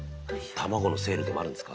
卵のセールでもあるんですか？